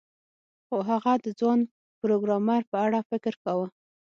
خو هغه د ځوان پروګرامر په اړه فکر کاوه